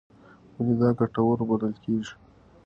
ولې دا ګټور بلل کېږي؟